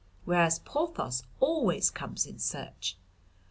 Whereas Porthos always comes in search.